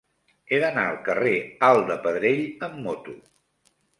He d'anar al carrer Alt de Pedrell amb moto.